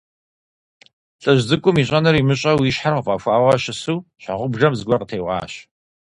ЛӀыжь цӀыкӀум, ищӀэнур имыщӀэу, и щхьэр къыфӀэхуауэ щысу, щхьэгъубжэм зыгуэр къытеуӀуащ.